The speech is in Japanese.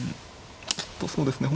ちょっとそうですね